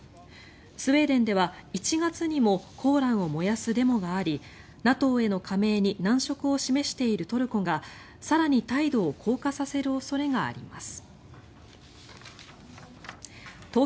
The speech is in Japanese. スウェーデンでは１月にもコーランを燃やすデモがありＮＡＴＯへの加盟に難色を示しているトルコが更に態度を硬化させる恐れがあります。